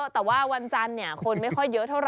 แต่ว่าวันจันทร์คนไม่ค่อยเยอะเท่าไ